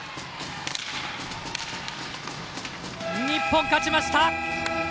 日本、勝ちました！